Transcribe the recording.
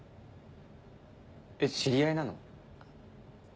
えっ知り合いなの？